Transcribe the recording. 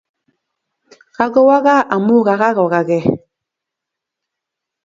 Kakowo gaa amu kakakokagee.